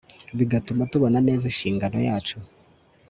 bigatuma tubona neza inshingano yacu